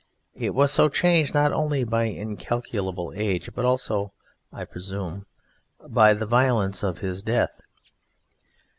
It was so changed, not only by incalculable age, but also, as I presume, by the violence of his death.